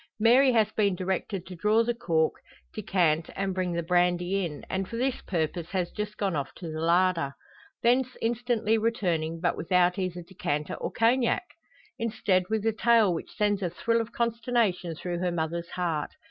Mary has been directed to draw the cork, decant, and bring the brandy in, and for this purpose has just gone off to the larder. Thence instantly returning, but without either decanter or Cognac! Instead with a tale which sends a thrill of consternation through her mother's heart.